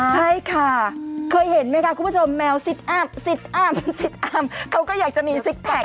ใช่ค่ะเคยเห็นไหมค่ะคุณผู้ชมแมวสิดอับเขาก็อยากจะมีซิกแพ็ก